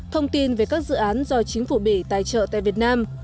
thông tin về các dự án do chính phủ bỉ tài trợ tại việt nam